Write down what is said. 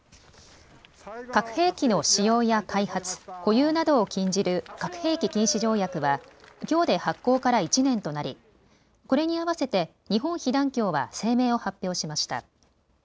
核兵器の使用や開発、保有などを禁じる核兵器禁止条約はきょうで発効から１年となりこれに合わせて日本被団協は声明を発表しました。